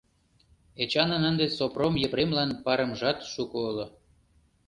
Эчанын ынде Сопром Епремлан парымжат шуко уло.